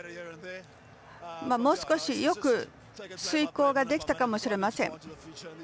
もう少しよく遂行ができたかもしれません。